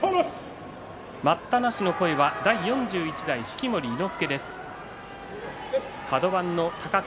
待ったなしの声は第４１代式守伊之助です。